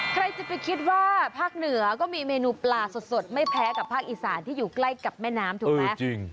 ใครจะไปคิดว่าภาคเหนือก็มีเมนูปลาสดไม่แพ้กับภาคอีสานที่อยู่ใกล้กับแม่น้ำถูกไหม